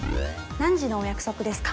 何時のお約束ですか？